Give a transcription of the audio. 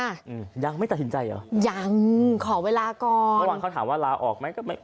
ก็แล้วกันนะยังไม่ตัดสินใจหรอยังขอเวลาก่อนเมื่อวานเขาถามว่าลาออกไหม